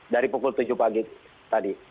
dari pukul tujuh pagi tadi